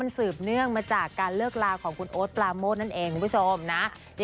สืบเนื่องมาจากการเลิกลาของคุณโอ๊ตปราโมดนั่นเองคุณผู้ชมนะ